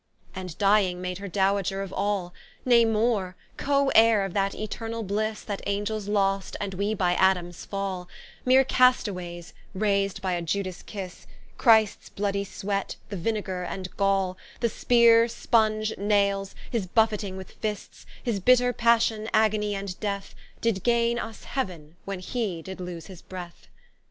And dying made her Dowager of all; Nay more, Co heire of that eternall blisse That Angels lost, and We by Adams fall; Meere Cast awaies, rais'd by a Iudas kisse, Christs bloody sweat, the Vinegar and Gall, The Speare, Sponge, Nailes, his buffeting with Fists, His bitter Passion, Agony, and Death, Did gaine vs Heauen when He did loose his breath.